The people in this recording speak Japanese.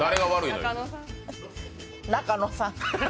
中野さん。